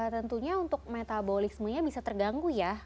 tentunya untuk metabolismenya bisa terganggu ya